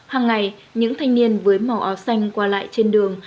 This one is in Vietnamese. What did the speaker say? hàng ngày những thanh niên với màu áo xanh qua lại trên đường